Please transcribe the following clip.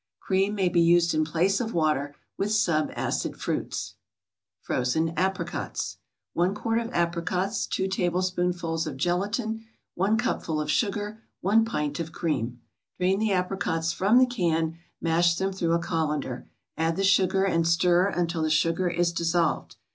Cream may be used in place of water with sub acid fruits. FROZEN APRICOTS 1 quart of apricots 2 tablespoonfuls of gelatin 1 cupful of sugar 1 pint of cream Drain the apricots from the can, mash them through a colander, add the sugar and stir until the sugar is dissolved.